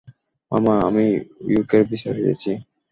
মামা, আমি ইউকের ভিসা পেয়েছি।